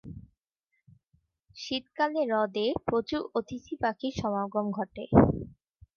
শীতকালে হ্রদে প্রচুর অতিথি পাখির সমাগম ঘটে।